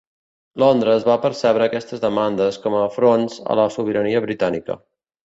Londres va percebre aquestes demandes com a afronts a la sobirania britànica.